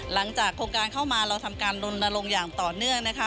หลังจากโครงการเข้ามาเราทำการลนลงอย่างต่อเนื่องนะคะ